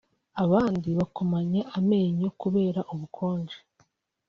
abandi bakomanya amenyo kubera ubukonje